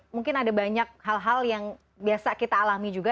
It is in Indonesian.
mungkin ada banyak hal hal yang biasa kita alami juga